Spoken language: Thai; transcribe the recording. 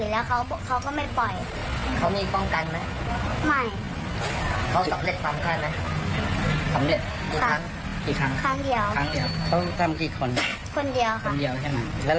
แล้วลามาไปทำอะไรแถวนั้นไหน